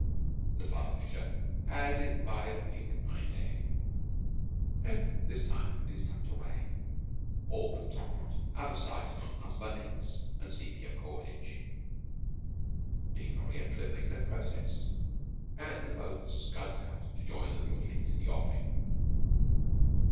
The father fisher has it by the pink hind leg, and this time it is tucked away, all but the top knot, out of sight among umber nets and sepia cordage. Being an Oriental it makes no protest, and the boat scuds out to join the little fleet in the offing.